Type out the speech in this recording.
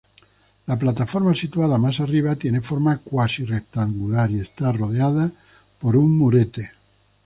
La plataforma situada más arriba tiene forma cuasi-rectangular y está rodeada por un murete.